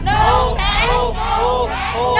ถูก